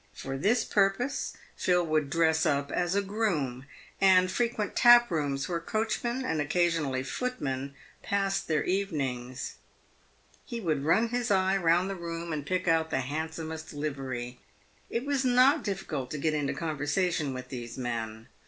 lor this purpose, Phil would dress up as a groom, and frequent taprooms where coachmen, and occasionally footmen, passed their evenings. He would run his eye round the room and pick out the handsomest livery. It was not difficult to get into conversation with these men.